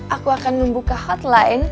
aku akan membuka hotline